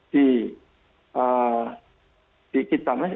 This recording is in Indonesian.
di kita kita juga ada audit